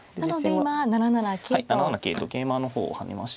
はい７七桂と桂馬の方を跳ねまして。